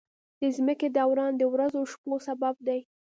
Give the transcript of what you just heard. د ځمکې دوران د ورځو او شپو سبب دی.